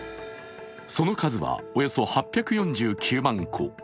その数はおよそ８４９万戸。